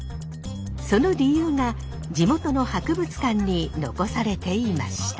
その理由が地元の博物館に残されていました。